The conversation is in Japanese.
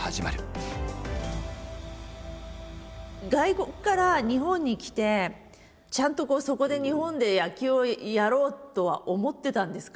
外国から日本に来てちゃんとそこで日本で野球をやろうとは思ってたんですか？